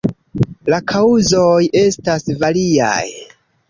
La kaŭzoj estas variaj.